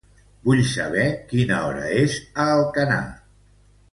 Vull saber quina hora és a Alcanar.